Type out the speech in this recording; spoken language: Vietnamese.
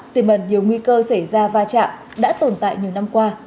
tiềm ẩn nhiều nguy cơ xảy ra va chạm đã tồn tại nhiều năm qua